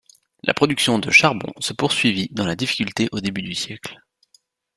La production de charbon se poursuivit dans la difficulté au début du siècle.